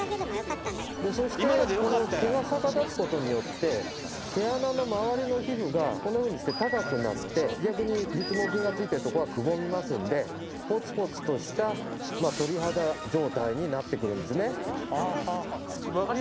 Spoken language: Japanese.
そしてこの毛が逆立つことによって毛穴の周りの皮膚がこのようにして高くなって逆に立毛筋がついているとこはくぼみますんでポツポツとした鳥肌状態になってくるんですね。